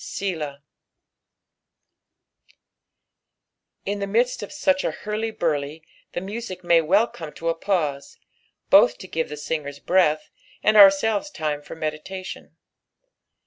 '■'8dah." In the midst of such a hurly burly the music may well come to a pause, both to give the singers breath, and ourselves time for meditation.